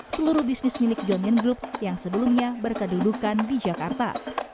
seluruh bisnis milik john group yang sebelumnya berkedudukan di jakarta